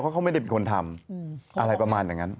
ว่าเขาไม่ได้มีคนทำอะไรประมาณอย่างนั้น